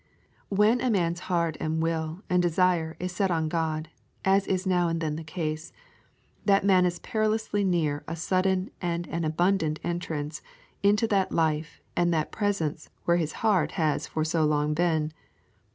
When a man's whole will and desire is set on God, as is now and then the case, that man is perilously near a sudden and an abundant entrance into that life and that presence where his heart has for so long been.